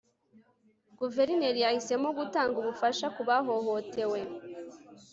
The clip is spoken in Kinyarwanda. guverineri yahisemo gutanga ubufasha ku bahohotewe